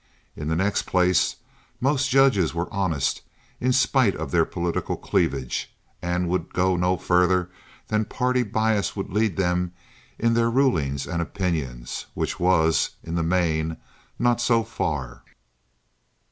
In the next place, most judges were honest, in spite of their political cleavage, and would go no further than party bias would lead them in their rulings and opinions, which was, in the main, not so far.